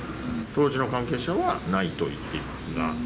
当時の関係者はないと言っていますが。